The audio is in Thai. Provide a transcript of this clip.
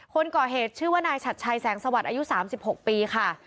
คนก่อเหตุชื่อว่านายชัดชัยแสงสวัสดิ์อายุ๓๖ปีค่ะ